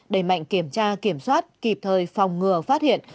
đẩy mạnh kiểm tra kiểm soát kịp thời phòng ngừa phát hiện